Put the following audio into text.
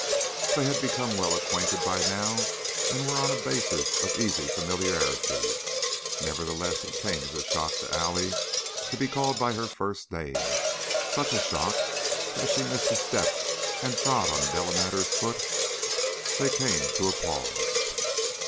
They had become well acquainted by now and were on a basis of easy familiarity, nevertheless it came as a shock to Allie to be called by her first name such a shock that she missed a step and trod on Delamater's foot. They came to a pause.